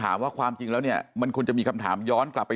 ความจริงแล้วเนี่ยมันควรจะมีคำถามย้อนกลับไป